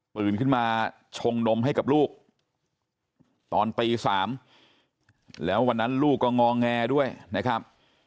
ปืนขึ้นมาชงนมให้กับลูกตอนตี๓แล้ววันนั้นลูกก็งอแงด้วยนะครับ